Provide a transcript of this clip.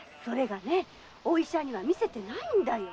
お医者には診せてないんだよ。